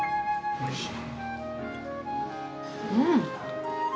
おいしい！